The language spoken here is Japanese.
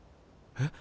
え？